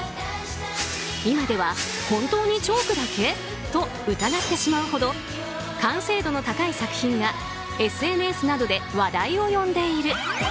今では本当にチョークだけ？と疑ってしまうほど完成度の高い作品がＳＮＳなどで話題を呼んでいる。